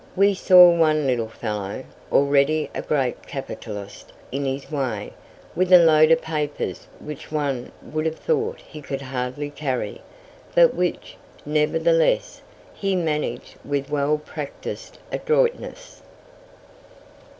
We saw one little fellow, already a great capitalist in his way, with a load of papers which one would have thought he could hardly carry, but which, nevertheless, he managed with well practised adroitness.